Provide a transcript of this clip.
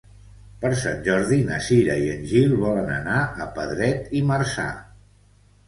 Per Sant Jordi na Cira i en Gil volen anar a Pedret i Marzà.